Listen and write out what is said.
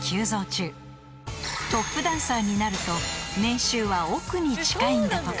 ［トップダンサーになると年収は億に近いんだとか］